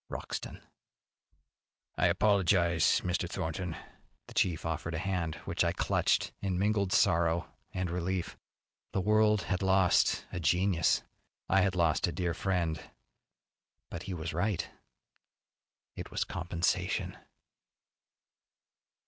Wroxton. "I apologize, Mr. Thornton." The chief offered a hand which I clutched in mingled sorrow and relief. The world had lost a genius. I had lost a dear friend. But he was right. It was compensation.